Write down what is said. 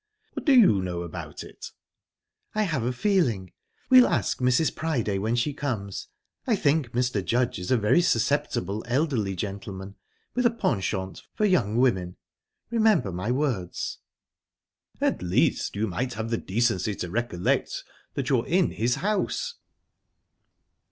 "What do you know about it?" "I have a feeling. We'll ask Mrs. Priday when she comes. I think Mr. Judge is a very susceptible elderly gentleman with a penchant for young women. Remember my words." "At least you might have the decency to recollect that you're in his house."